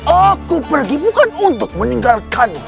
aku pergi bukan untuk meninggalkanmu